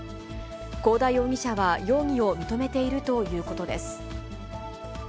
幸田容疑者は容疑を認めているということです。